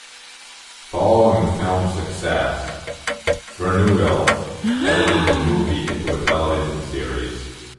Following the film's success, Verneuil edited the movie into a television series.